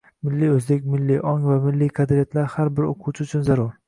Milliy oʻzlik, milliy ong va milliy qadriyatlar har bir oʻquvchi uchun zarur